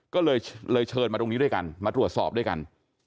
ก็เลยเชิญมาตรวจสอบด้วยกัน